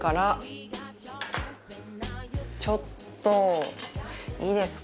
ちょっといいですか？